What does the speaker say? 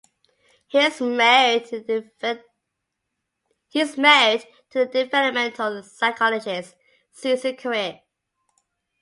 He is married to the developmental psychologist Susan Carey.